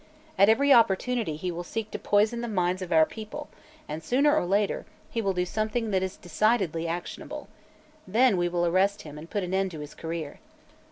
At every opportunity he will seek to poison the minds of our people and, sooner or later, he will do something that is decidedly actionable. Then we will arrest him and put an end to his career."